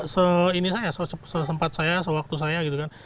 se ini saya sesempat saya sewaktu saya gitu kan